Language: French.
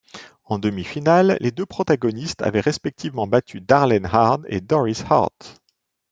En demi-finale, les deux protagonistes avaient respectivement battu Darlene Hard et Doris Hart.